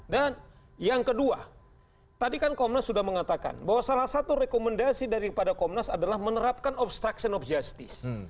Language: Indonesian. dan yang kedua tadi kan komnas sudah mengatakan bahwa salah satu rekomendasi daripada komnas adalah menerapkan obstruction of justice